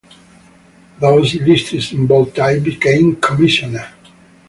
Those listed in bold type became Commissioner.